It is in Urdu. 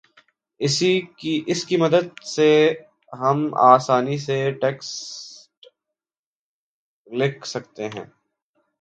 اس کی مدد سے ہم آسانی سے ٹیکسٹ لکھ سکتے ہیں